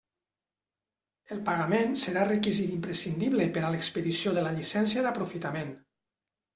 El pagament serà requisit imprescindible per a l'expedició de la llicència d'aprofitament.